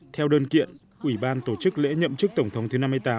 theo đơn kiện ủy ban tổ chức lễ nhậm chức tổng thống thứ năm mươi tám